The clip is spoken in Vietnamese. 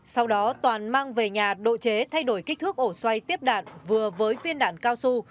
sau đó toàn mang về nhà độ chế thay đổi kích thước ổ xoay tiếp đạn vừa với viên đạn cao su